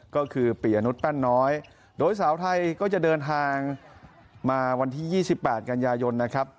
ก็คือปียนุษยแป้นน้อยโดยสาวไทยก็จะเดินทางมาวันที่๒๘กันยายนนะครับ